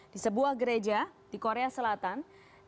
di sebuah gereja di korea selatan